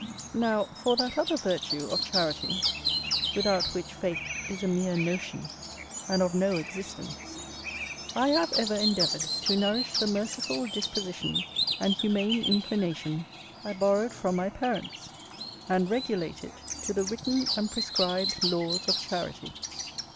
Now, for that other virtue of charity, without which faith is a mere notion and of no existence, I have ever endeavoured to nourish the merciful disposition and humane inclination I borrowed from my parents, and regulate it to the written and prescribed laws of charity.